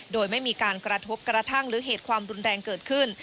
โดยไม่มีการกระทบกระทั่งหรือเหตุความรุนแรงเกิดขึ้น